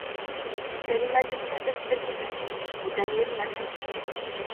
Кәлимәтеңде бөттөң иһә, бүтән йөрөмәҫһең.